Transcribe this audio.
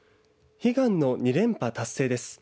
悲願の２連覇達成です。